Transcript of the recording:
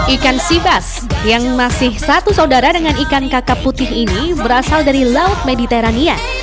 ikan sibas yang masih satu saudara dengan ikan kakap putih ini berasal dari laut mediterania